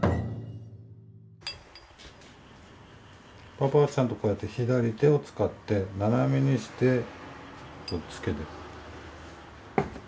パパはちゃんとこうやって左手を使って斜めにしてこうつけてる。